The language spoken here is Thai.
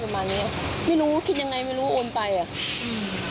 ประมาณเนี้ยไม่รู้คิดยังไงไม่รู้โอนไปอ่ะอืม